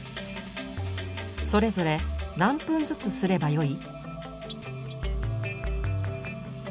それぞれ何分ずつすればよい？